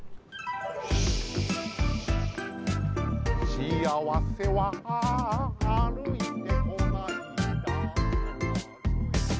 「しあわせは歩いてこない」